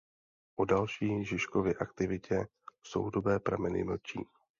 O další Žižkově aktivitě soudobé prameny mlčí.